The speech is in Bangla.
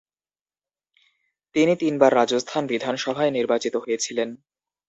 তিনি তিনবার রাজস্থান বিধানসভায় নির্বাচিত হয়েছিলেন।